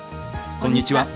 こんにちは。